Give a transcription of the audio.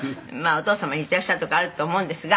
「お父様に似ていらっしゃるとこあると思うんですが」